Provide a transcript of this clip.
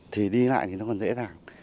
thì đi lại thì nó còn dễ dàng